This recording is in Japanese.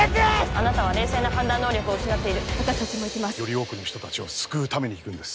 あなたは冷静な判断能力を失っている私達も行きますより多くの人達を救うために行くんです